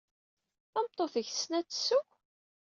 Tameṭṭut-ik tessen ad tesseww?